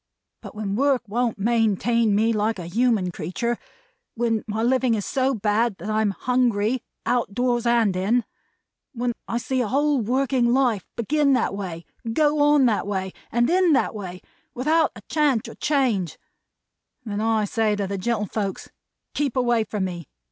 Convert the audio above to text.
But when work won't maintain me like a human creetur; when my living is so bad, that I am Hungry, out of doors and in; when I see a whole working life begin that way, go on that way, and end that way, without a chance or change; then I say to the gentlefolks 'Keep away from me!